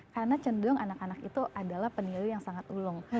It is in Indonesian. karena cenderung anak anak itu adalah peniru yang sangat ulung